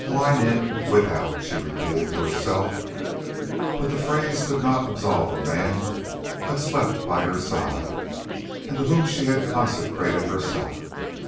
Wine in, wit out, she repeated to herself; but the phrase could not absolve the man who had slept by her side, and to whom she had consecrated herself.